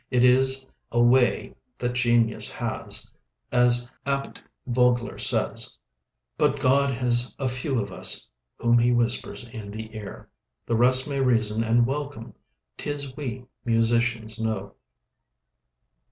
It is a way that genius has, as Abt Vogler says: "But God has a few of us whom he whispers in the ear: The rest may reason and welcome: 'tis we musicians know."